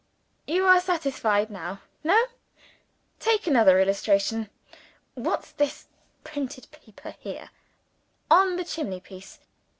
Are you satisfied now? No! Take another illustration. What's this printed paper, here, on the chimney piece?